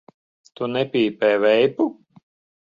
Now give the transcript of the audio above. Tu nepīpē veipu?